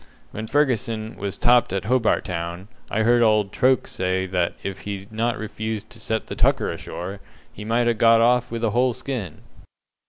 When Fergusson was topped at Hobart Town, I heard old Troke say that if he'd not refused to set the tucker ashore, he might ha' got off with a whole skin."